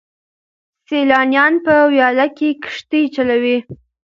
سیلانیان په ویاله کې کښتۍ چلوي.